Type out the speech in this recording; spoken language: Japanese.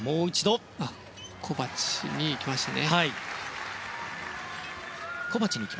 コバチにしましたね。